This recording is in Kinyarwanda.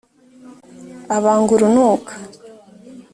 abanga urunuka